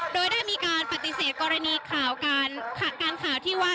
โดยได้มีการปฏิเสธกรณีข่าวการข่าวที่ว่า